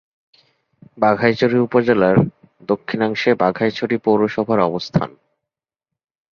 বাঘাইছড়ি উপজেলার দক্ষিণাংশে বাঘাইছড়ি পৌরসভার অবস্থান।